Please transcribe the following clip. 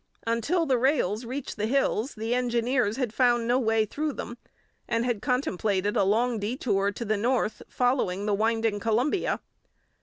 Until the rails reached the hills the engineers had found no way through them, and had contemplated a long detour to the north, following the winding Columbia.